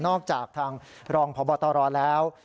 จากทางรองพบตรแล้ว